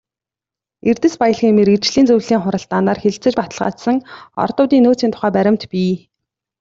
Эрдэс баялгийн мэргэжлийн зөвлөлийн хуралдаанаар хэлэлцэж баталгаажсан ордуудын нөөцийн тухай баримт бий.